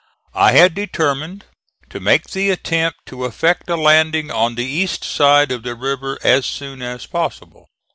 I had determined to make the attempt to effect a landing on the east side of the river as soon as possible.